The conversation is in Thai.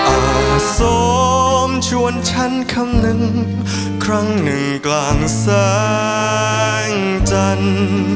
สมชวนฉันคำนึงครั้งหนึ่งกลางแสงจันทร์